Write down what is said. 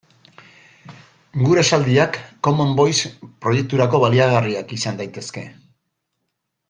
Gure esaldiak Common Voice proiekturako baliagarriak izan daitezke.